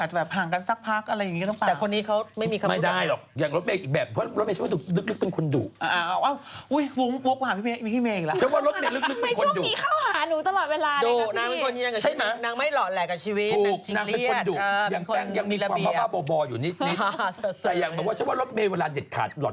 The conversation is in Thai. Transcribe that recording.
อย่างเขากับพี่เมยันอาจจะทะเลาะกับแฟน